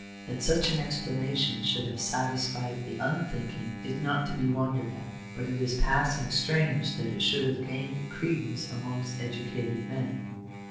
That such an explanation should have satisfied the unthink ing, is not to be wondered at; but it is passing strange that it should have gained credence amongst educated men.